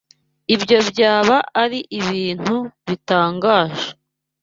Ibyo byaba ari ibintu bitangaje.